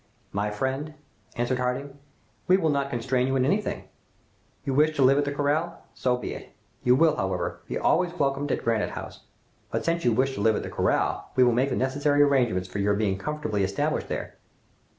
"My friend," answered Harding, "we will not constrain you in anything. You wish to live at the corral, so be it. You will, however, be always welcome at Granite House. But since you wish to live at the corral we will make the necessary arrangements for your being comfortably established there."